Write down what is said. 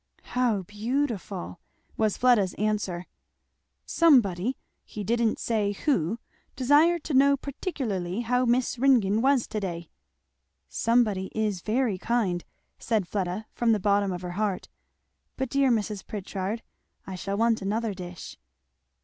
"How beautiful! " was Fleda's answer. "Somebody he didn't say who desired to know particularly how Miss Ringgan was to day." "Somebody is very kind!" said Fleda from the bottom of her heart. "But dear Mrs. Pritchard, I shall want another dish."